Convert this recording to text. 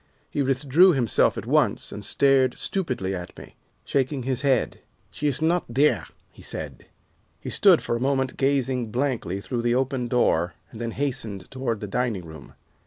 He withdrew himself at once and stared stupidly at me, shaking his head. "'She is not there,' he said. He stood for a moment gazing blankly through the open door, and then hastened toward the dining room.